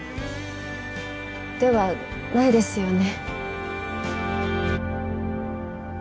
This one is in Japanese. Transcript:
ではないですよね？